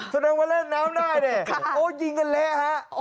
แสดงว่าเล่นน้ำหน้าเนี่ยโอ้ยิงกันเละฮะ